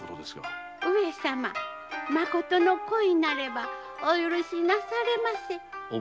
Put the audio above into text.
上様まことの恋なればお許しなされませ。